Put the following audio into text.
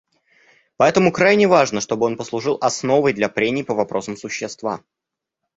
Поэтому крайне важно, чтобы он послужил основой для прений по вопросам существа.